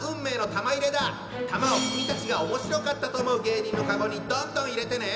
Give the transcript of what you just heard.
玉を君たちがおもしろかったと思う芸人のカゴにどんどん入れてね！